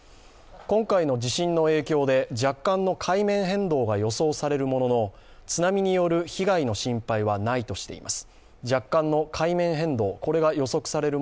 今回の地震の影響で若干の海面変動が予想されるものの津波による被害の心配はないとしています。